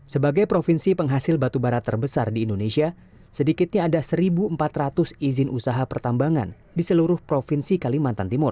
sebagai provinsi penghasil batubara terbesar di indonesia sedikitnya ada satu empat ratus izin usaha pertambangan di seluruh provinsi kalimantan timur